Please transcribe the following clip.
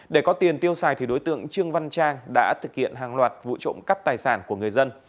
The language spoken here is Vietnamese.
để có tiền tiêu xài thì đối tượng trương văn trang đã thực hiện hàng loạt vụ trộm cắp tài sản của người dân